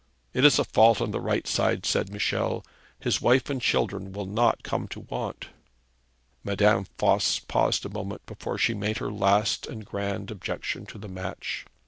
'It is a fault on the right side,' said Michel. 'His wife and children will not come to want.' Madame Voss paused a moment before she made her last and grand objection to the match.